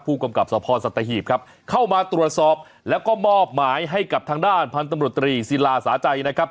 กำกับสภสัตหีบครับเข้ามาตรวจสอบแล้วก็มอบหมายให้กับทางด้านพันธุ์ตำรวจตรีศิลาสาใจนะครับ